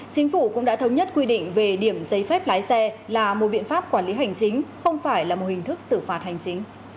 chính phủ cũng đã thống nhất quy định về điểm giấy phép lái xe là một biện pháp quản lý hành chính không phải là một hình thức xử phạt hành chính